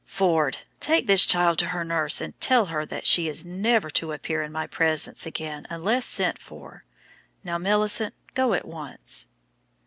"Ford, take this child to her nurse, and tell her that she is never to appear in my presence again unless sent for. Now, Millicent, go at once."